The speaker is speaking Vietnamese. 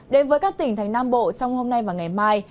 đến với các tỉnh thành nam bộ trong hôm nay và ngày mai